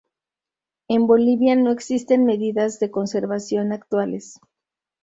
En Bolivia no existen medidas de conservación actuales.